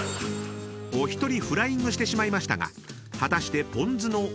［お一人フライングしてしまいましたが果たしてぽん酢の］